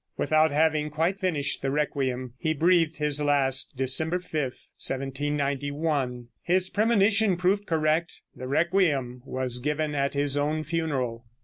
Without having quite finished the "Requiem" he breathed his last December 5, 1791. His premonition proved correct. The "Requiem" was given at his own funeral.